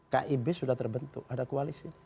kib sudah terbentuk ada koalisi